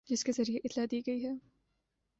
جس کے ذریعے اطلاع دی گئی ہے